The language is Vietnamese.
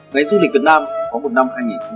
ngày du lịch việt nam có một năm hai nghìn hai mươi